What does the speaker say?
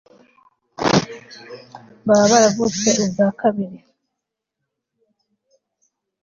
baba baravutse ubwa kabiri